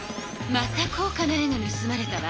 また高かな絵がぬすまれたわ。